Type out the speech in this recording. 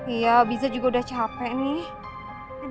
iya biza juga udah capek nih